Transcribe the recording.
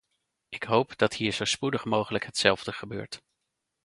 Ik hoop dat hier zo spoedig mogelijk hetzelfde gebeurt.